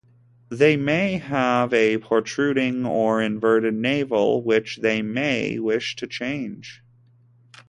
They may have a protruding or inverted navel, which they may wish to change.